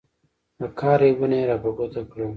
د کار عیبونه یې را په ګوته کړل.